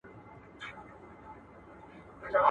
پوه سوم جهاني چي د انصاف سوالونه پاته وه.